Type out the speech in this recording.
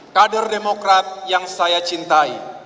kader demokrat yang saya cintai